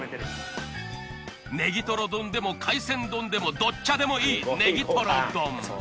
ネギトロ丼でも海鮮丼でもどっちでもいいネギトロ丼。